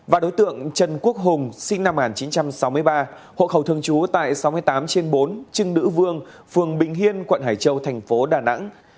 và đối tượng trần quốc hùng sinh năm một nghìn chín trăm sáu mươi ba hộ khẩu thường trú tại sáu mươi tám trên bốn trưng nữ vương phường bình hiên quận hải châu thành phố đà nẵng